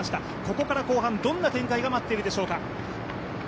ここから後半、どんな展開が待っているでしょうか。